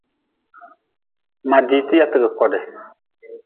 Ma diite yatgi kodi.